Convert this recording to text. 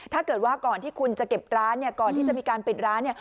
ถ้าเกิดว่าก่อนที่คุณจะเก็บร้านเนี่ยก่อนที่จะมีการปิดร้านเนี่ย